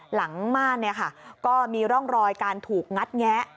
หลังม่านเนี่ยค่ะก็มีร่องรอยการถูกงัดแงะ